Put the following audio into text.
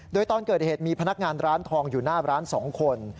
โดยตอนเกิดเหตุมีพนักงานร้านทองอยู่หน้าร้าน๒คน